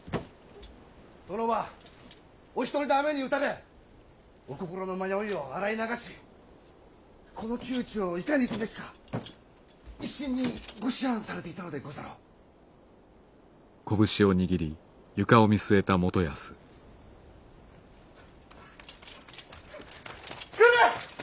殿はお一人で雨に打たれお心の迷いを洗い流しこの窮地をいかにすべきか一心にご思案されていたのでござろう？来る！